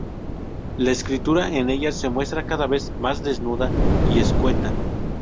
La escritura en ellas se muestra cada vez más desnuda y escueta.